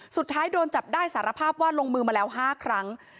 สุดท้ายโดนจับได้สารภาพว่าลงมือมาแล้ว๕ครั้ง